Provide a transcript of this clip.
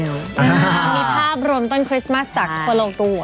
มีภาพรวมต้นคริสต์มัสจากโคโลตู